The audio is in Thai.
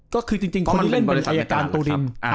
ก็คือจริงคนที่เล่นเป็นอายการตูริน